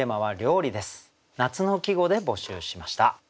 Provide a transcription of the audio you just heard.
夏の季語で募集しました。